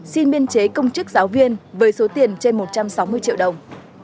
xin biên chế công chức giáo viên với số tiền trên một trăm sáu mươi triệu đồng